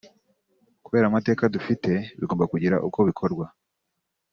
kubera amateka dufite bigomba kugira uko bikorwa